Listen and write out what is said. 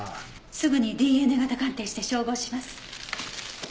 すぐにＤＮＡ型鑑定して照合します。